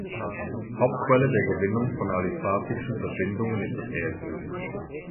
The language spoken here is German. Hauptquelle der Gewinnung von aliphatischen Verbindungen ist das Erdöl.